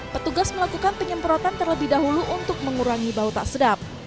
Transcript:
petugas melakukan penyemprotan terlebih dahulu untuk mengurangi bau tak sedap